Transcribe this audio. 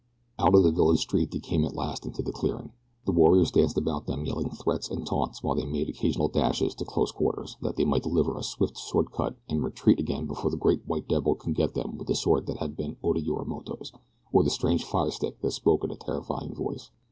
Out of the village street they came at last into the clearing. The warriors danced about them, yelling threats and taunts the while they made occasional dashes to close quarters that they might deliver a swift sword cut and retreat again before the great white devil could get them with the sword that had been Oda Yorimoto's, or the strange fire stick that spoke in such a terrifying voice.